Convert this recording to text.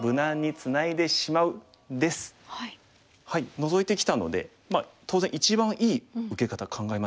ノゾいてきたので当然一番いい受け方考えますよね。